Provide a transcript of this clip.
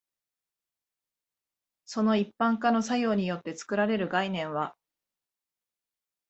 その一般化の作用によって作られる概念は、